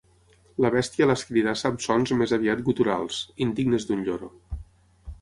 La bèstia l'escridassa amb sons més aviat guturals, indignes d'un lloro.